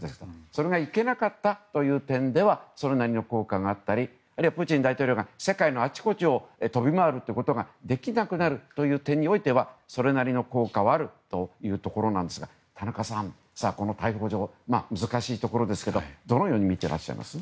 それが行けなかったという点ではそれなりの効果があったりあるいは、プーチン大統領が世界のあちこちを飛び回ることができなくなる点においてはそれなりの効果はあるというところですが田中さん、この逮捕状難しいところですけどどのようにみていらっしゃいます？